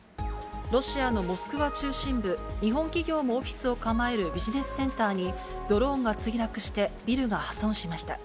ロシアのモスクワ中心部、日本企業もオフィスを構えるビジネスセンターにドローンが墜落して、ビルが破損しました。